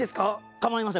構いません。